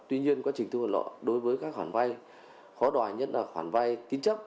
tuy nhiên quá trình thu hồi nợ đối với các khoản vay khó đòi nhất là khoản vay tín chấp